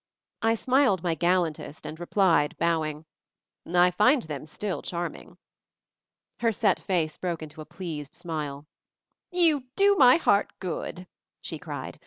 I smiled my gallantest, and replied, bow ing: " I find them still charming." Her set face broke into a pleased smile. "You do my heart good!" she cried.